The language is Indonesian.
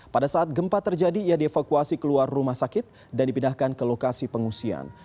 pada saat gempa terjadi ia dievakuasi keluar rumah sakit dan dipindahkan ke lokasi pengungsian